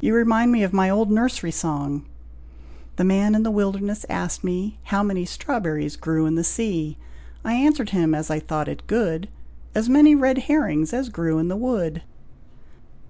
You remind me of my old nursery song 'The man in the wilderness asked me, How many strawberries grew in the sea; I answered him, as I thought it good, As many red herrings as grew in the wood.'"